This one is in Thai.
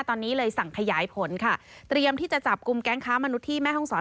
ตอนนี้เลยสั่งขยายผลค่ะเตรียมที่จะจับกลุ่มแก๊งค้ามนุษย์ที่แม่ห้องศร